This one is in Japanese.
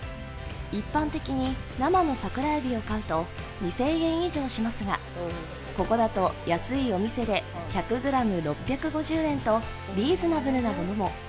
一般的に生の桜えびを買うと２０００円以上しますが、ここだと安いお店で１００ｇ６５０円とリーズナブルなものも。